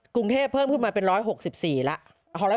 กรุงเทพเพิ่มขึ้นมาเป็น๑๖๔แล้ว